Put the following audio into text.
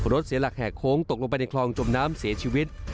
เสียหลักแห่โค้งตกลงไปในคลองจมน้ำเสียชีวิต